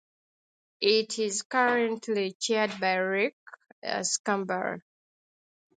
It is currently chaired by Rick Scarborough.